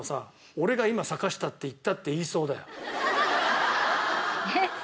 「俺が今坂下って言った」って言いそうだよ。